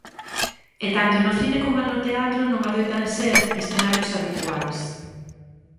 E tanto no cine coma no teatro non adoitan ser escenarios habituais.